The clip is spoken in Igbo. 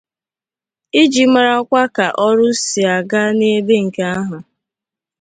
iji marakwa ka ọrụ si aga n'ebe nke ahụ